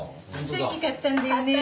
さっき買ったんだよねえ。